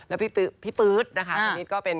แล้วพี่ปื๊ดนะคะตอนนี้ก็เป็น